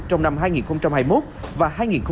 trong năm hai nghìn hai mươi một và hai nghìn hai mươi năm